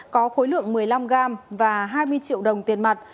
có khối lượng một mươi năm gram và hai mươi triệu đồng tiền mặt